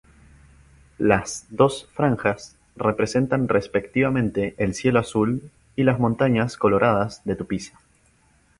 Las dos franjas representan respectivamente el cielo azul, y las montañas coloradas de Tupiza.